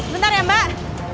bentar ya mbak